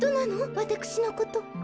わたくしのこと。